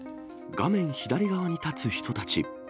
画面左側に立つ人たち。